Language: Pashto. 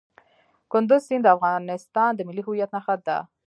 کندز سیند د افغانستان د ملي هویت نښه ده.